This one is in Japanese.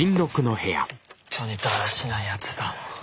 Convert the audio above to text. ほんとにだらしないやつだな。